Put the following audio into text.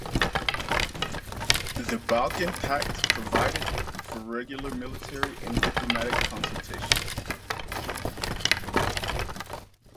The Balkan Pact provided for regular military and diplomatic consultations.